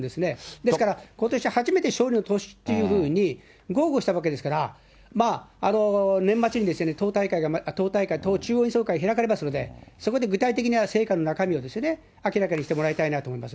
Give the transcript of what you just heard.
ですから、ことし初めて勝利の年というふうに豪語したわけですから、年末に党大会、党中央総会が開かれますので、そこで具体的な成果の中身を明らかにしてもらいたいなと思います